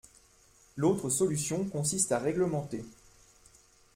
L’autre solution consiste à réglementer.